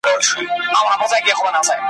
په پانوس کي به لا ګرځي د سوځلي وزر سیوري ,